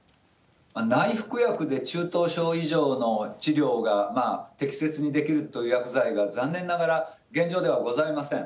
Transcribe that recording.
内服薬で中等症以上の治療が適切にできるという薬剤が、残念ながら現状ではございません。